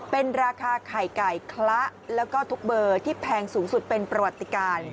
เป็นราคาไข่ไก่คละแล้วก็ทุกเบอร์ที่แพงสูงสุดเป็นประวัติการ